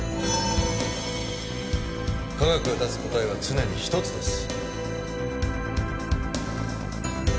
科学が出す答えは常に一つです。